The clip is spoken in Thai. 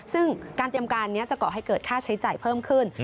ซึ่งการเตรียมการนี้จะก่อให้เกิดค่าใช้จ่ายเพิ่มขึ้น